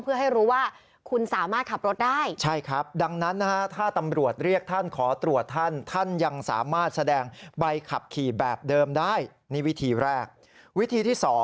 เพื่อให้รู้ว่าคุณสามารถขับรถได้